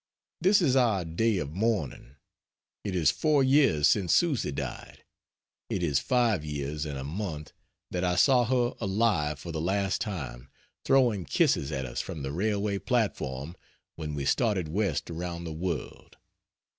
This is our day of mourning. It is four years since Susy died; it is five years and a month that I saw her alive for the last time throwing kisses at us from the railway platform when we started West around the world.